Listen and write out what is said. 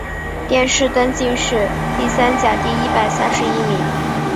殿试登进士第三甲第一百三十一名。